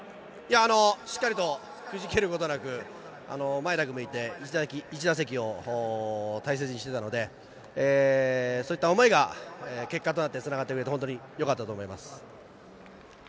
しっかりとくじけることなく、前だけ向いて、一打席を大切にしていたので、そういった思いが結果となって繋がってくれて本当によかったと思います。